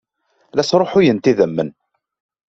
La sṛuḥuyent idammen.